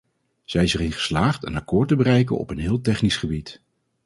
Zij is erin geslaagd een akkoord te bereiken op een heel technisch gebied.